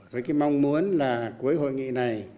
với cái mong muốn là cuối hội nghị này